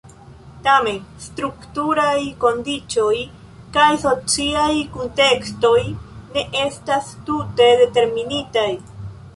Tamen, strukturaj kondiĉoj kaj sociaj kuntekstoj ne estas tute determinitaj.